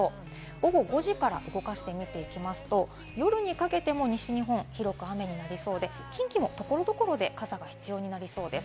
午後５時から動かしてみていますと、夜にかけても西日本は広く雨になりそうで、近畿も所々で傘が必要になりそうです。